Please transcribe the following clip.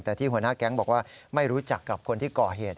แต่ที่หัวหน้าแก๊งบอกว่าไม่รู้จักกับคนที่ก่อเหตุ